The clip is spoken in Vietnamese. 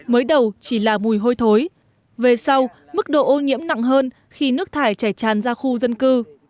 mới đầu chỉ là mùi hôi thối về sau mức độ ô nhiễm nặng hơn khi nước thải chảy tràn ra khu dân cư